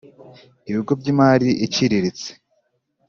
Ibigo byimari iciriritse.